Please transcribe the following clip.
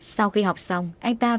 sau khi học xong anh ta về công ty